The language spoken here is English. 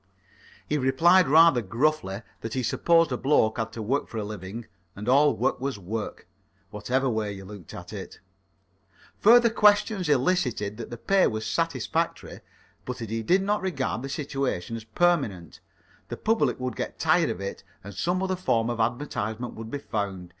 He replied rather gruffly that he supposed a bloke had to work for his living, and all work was work, whatever way you looked at it. Further questions elicited that the pay was satisfactory, but that he did not regard the situation as permanent. The public would get tired of it and some other form of advertisement would be found.